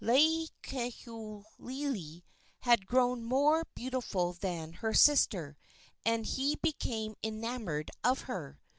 Laielohelohe had grown more beautiful than her sister, and he became enamored of her.